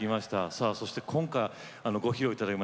さあそして今回ご披露頂きます